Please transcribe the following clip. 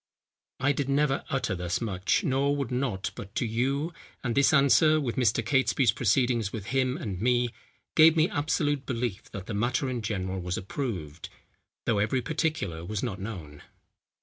I did never utter thus much, nor would not but to you; and this answer, with Mr. Catesby's proceedings with him and me, gave me absolute belief that the matter in general was approved, though every particular was not known."